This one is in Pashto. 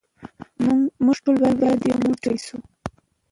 موږ ټول باید یو موټی شو.